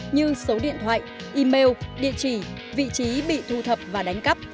như số điện thoại email địa chỉ vị trí bị thu thập và đánh cắp